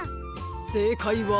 せいかいは。